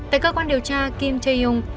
tại cơ quan điều tra kim tae yong